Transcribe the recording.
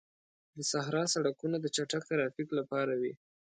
د صحرا سړکونه د چټک ترافیک لپاره وي.